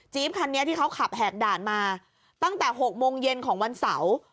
คันนี้ที่เขาขับแหกด่านมาตั้งแต่๖โมงเย็นของวันเสาร์